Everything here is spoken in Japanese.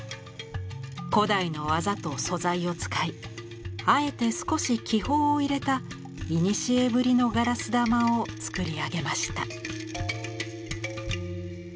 古代の技と素材を使いあえて少し気泡を入れた古ぶりのガラス玉を作り上げました。